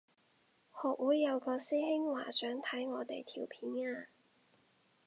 學會有個師兄話想睇我哋條片啊